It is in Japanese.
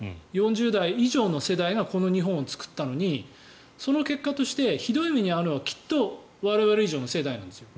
４０代以上の世代がこの日本を作ったのにその結果としてひどい目に遭うのはきっと我々以上の世代なんですよ。